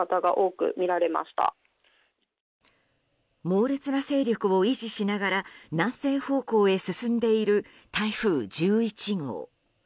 猛烈な勢力を維持しながら南西方向へ進んでいる台風１１号。